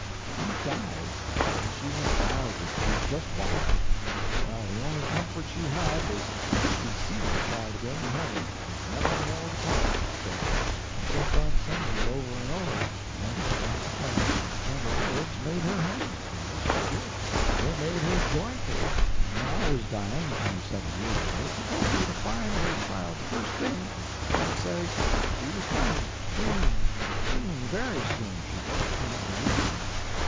And it died, and she went wild with grief, just wild! Well, the only comfort she had was that she'd see her child again, in heaven—'never more to part,' she said, and kept on saying it over and over, 'never more to part.' And the words made her happy; yes, they did; they made her joyful, and when I was dying, twenty seven years ago, she told me to find her child the first thing, and say she was coming—'soon, soon, very soon, she hoped and believed!